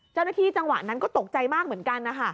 เจ้าหน้าที่จังหวะนั้นก็ตกใจมากเหมือนกัน